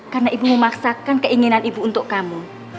karena ibu memaksakan keinginan ibu untuk kamu